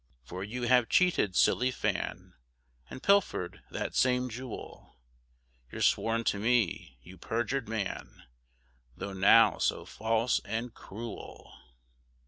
For you have cheated silly Fan, And pilfer'd that same jewel; You're sworn to me, you perjur'd man, Tho' now so false and cruel.